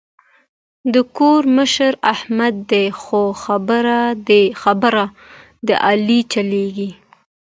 د کور مشر احمد دی خو خبره د علي چلېږي.